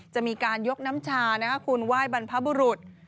จะมีการยกน้ำชาคุณไหว้บรรพบุรุษ